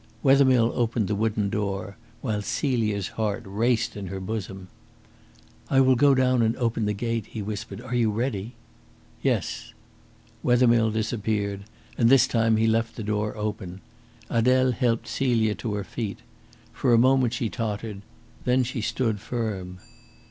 Wethermill opened the wooden door, while Celia's heart raced in her bosom. "I will go down and open the gate," he whispered. "Are you ready?" "Yes." Wethermill disappeared; and this time he left the door open. Adele helped Celia to her feet. For a moment she tottered; then she stood firm.